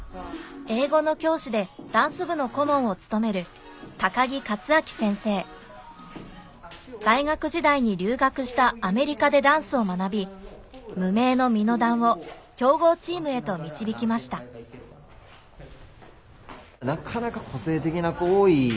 英語の教師でダンス部の顧問を務める高木克彰先生大学時代に留学したアメリカでダンスを学び無名の「みのだん」を強豪チームへと導きましたなかなか。